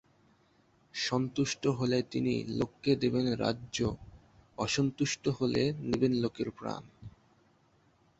সন্তুষ্ট হলে তিনি লোককে দেবেন রাজ্য, অসন্তুষ্ট হলে নেবেন লোকের প্রাণ।